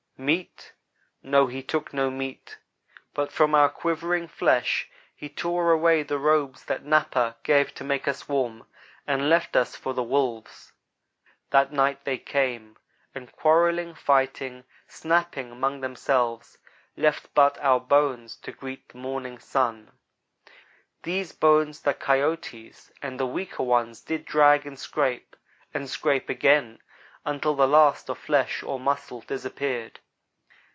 Meat? No, he took no meat, but from our quivering flesh he tore away the robes that Napa gave to make us warm, and left us for the Wolves. That night they came, and quarrelling, fighting, snapping 'mong themselves, left but our bones to greet the morning sun. These bones the Coyotes and the weaker ones did drag and scrape, and scrape again, until the last of flesh or muscle disappeared.